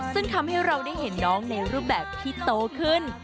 ซึ่งทำให้เราได้เห็นน้องในรูปแบบที่โตขึ้น